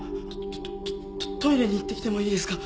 トトイレに行ってきてもいいですか？